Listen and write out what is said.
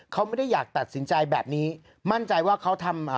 เขาไม่ได้อยากตัดสินใจแบบนี้มั่นใจว่าเขาทำอ่า